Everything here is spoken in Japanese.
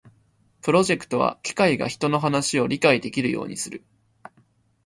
プロジェクトは機械が人の話を理解できるようにする